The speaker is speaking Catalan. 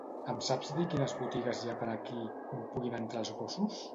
Em saps dir quines botigues hi ha per aquí on puguin entrar els gossos?